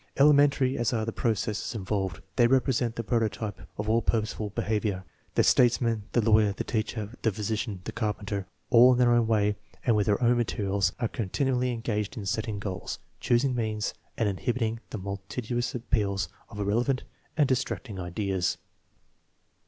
Elementary as are the processes involved, they represent the prototype of all purposeful behavior. The statesman, the lawyer, the teacher, the physician, the carpenter, all in their own way and with their own materials, are con tinually engaged in setting goals, choosing means, and inhibiting the multitudinous appeals of irrelevant and dis tracting ideas.